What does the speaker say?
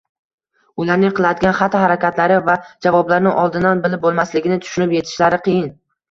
ularning qiladigan xatti-harakatlari va javoblarini oldindan bilib bo‘lmasligini tushunib yetishlari qiyin.